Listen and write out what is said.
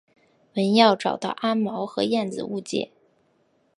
文耀找到阿毛和燕子误解。